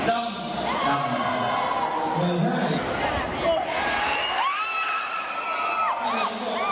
ดำ